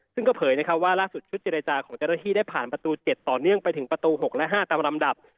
ซึ่งก็เผยว่าล่าสุดชุดเจรจาของเจ้าหน้าที่ได้ผ่านประตู๗ต่อเนื่องไปถึงประตู๖และ๕ตามลำดับ